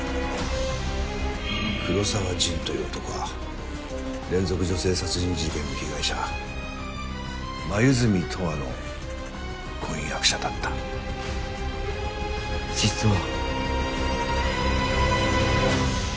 黒澤仁という男は連続女性殺人事件の被害者黛十和の婚約者だった実は。